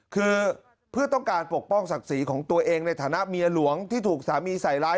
คือเพื่อต้องการปกป้องศักดิ์ศรีของตัวเองในฐานะเมียหลวงที่ถูกสามีใส่ร้าย